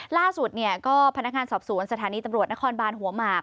ล่าสุดเนี่ยก็พนักงานสอบสวนสถานีตำรวจนครบานหัวหมาก